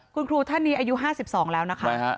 คุณครูท่านนี้อายุ๕๒แล้วนะคะ